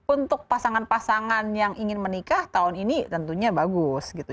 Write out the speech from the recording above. untuk pasangan pasangan yang ingin menikah tahun ini tentunya bagus gitu